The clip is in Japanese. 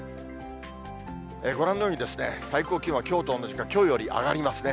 ご覧のように、最高気温はきょうと同じか、きょうより上がりますね。